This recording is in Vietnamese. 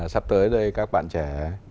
sắp tới đây các bạn trẻ